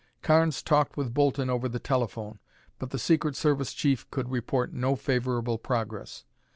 Carnes talked with Bolton over the telephone, but the secret service chief could report no favorable progress.